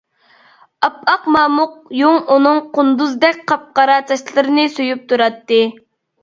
ئاپئاق مامۇق يۇڭ ئۇنىڭ قۇندۇزدەك قاپقارا چاچلىرىنى سۆيۈپ تۇراتتى.